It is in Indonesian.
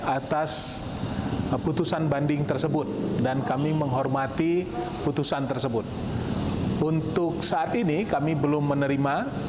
atas putusan banding tersebut dan kami menghormati putusan tersebut untuk saat ini kami belum menerima